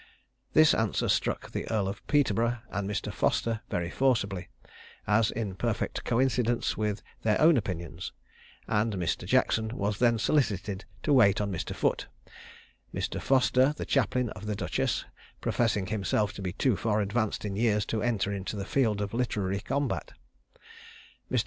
This answer struck the Earl of Peterborough and Mr. Foster very forcibly, as in perfect coincidence with their own opinions; and Mr. Jackson was then solicited to wait on Mr. Foote; Mr. Foster, the chaplain of the duchess, professing himself to be too far advanced in years to enter into the field of literary combat. Mr.